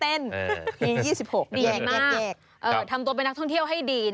ต้องทำไปเป็นนักท่องเที่ยวให้ดี